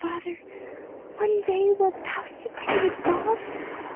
father, one day wilt thou seek to be absolved?"